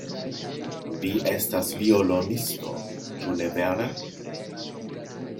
Vi estas violonisto, ĉu ne vere?